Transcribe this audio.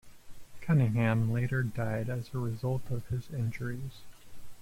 Cunningham later died as a result of his injuries.